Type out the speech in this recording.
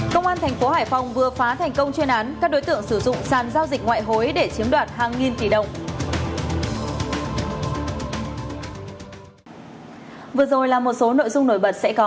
công an thành phố hải phòng vừa phá thành công chuyên án các đối tượng sử dụng sàn giao dịch ngoại hối để chiếm đoạt hàng nghìn tỷ đồng